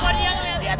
kau lihat lihat lihat